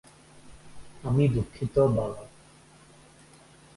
আমি দুঃখিত, বাবা।